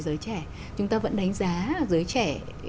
giới trẻ chúng ta vẫn đánh giá giới trẻ